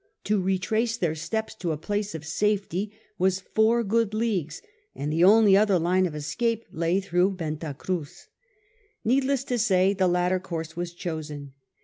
To retrace their steps to a place of safety was four good leagues, and the only other line of escape lay through Venta Cruz. Needless to say the latter course was chosen.